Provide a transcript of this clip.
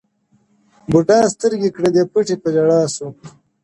بوډا سترګي کړلي پټي په ژړا سو-